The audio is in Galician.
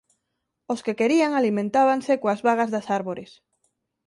Os que querían alimentábanse coas bagas das árbores;